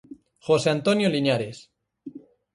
José Antonio Liñares.